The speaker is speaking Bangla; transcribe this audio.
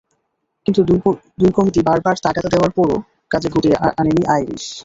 কিন্তু দুই কমিটি বারবার তাগাদা দেওয়ার পরও কাজে গতি আনেনি আইরিস।